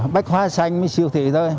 bách hoa xanh siêu thị thôi